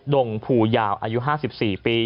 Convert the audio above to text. ดงภูยาวอายุ๕๔ปี